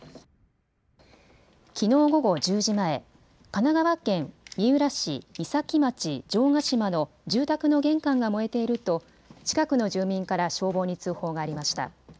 きのう午後１０時前、神奈川県三浦市三崎町城ヶ島の住宅の玄関が燃えていると近くの住民から消防に通報がありました。